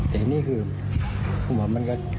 แต่นี่คือคุณบอกมันก็